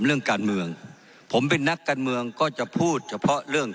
เรื่องการเมืองผมเป็นนักการเมืองก็จะพูดเฉพาะเรื่อง